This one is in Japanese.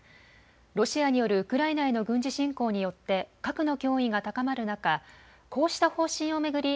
ロシアによるウクライナへの軍事侵攻によって核の脅威が高まる中、こうした方針を巡り